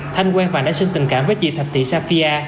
thanh quen và đã sinh tình cảm với chị thạch thị safia